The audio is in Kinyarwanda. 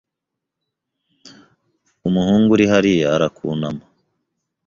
Umuhungu uri hariya arakunama.